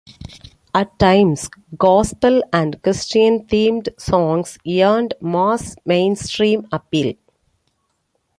At times, gospel and Christian-themed songs earned mass mainstream appeal.